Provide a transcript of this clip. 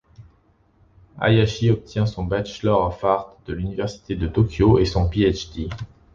Hayashi obtient son Bachelor of Arts de l'université de Tokyo et son Ph.D.